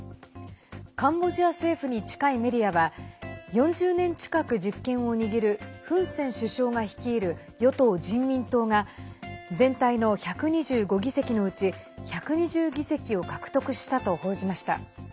カンボジア政府に近いメディアは４０年近く実権を握るフン・セン首相が率いる与党・人民党が全体の１２５議席のうち１２０議席を獲得したと報じました。